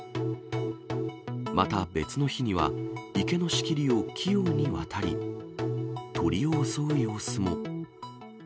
また、別の日には池の仕切りを器用に渡り、鳥を襲う様子も。